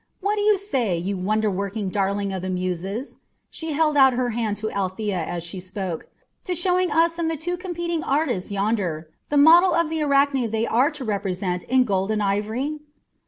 What do you say, you wonder working darling of the Muses" she held out her hand to Althea as she spoke "to showing us and the two competing artists yonder the model of the Arachne they are to represent in gold and ivory?"